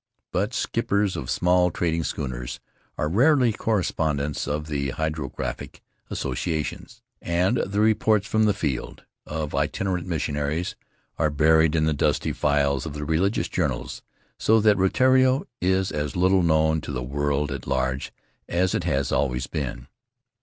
But skippers of small trading schooners are rarely correspondents of the hydrographic associations, and the "reports from the field" of itinerant missionaries are buried in the dusty files of the religious journals, so that Rutiaro is as little known to the world at large as it has always been.